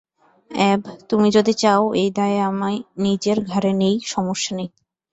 অ্যাব, তুমি যদি চাও এই দায় আমি নিজের ঘাড়ে নেই, সমস্যা নেই।